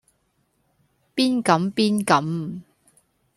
邊敢邊敢